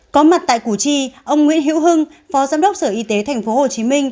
có mặt tại củ chi ông nguyễn hữu hưng phó giám đốc sở y tế tp hcm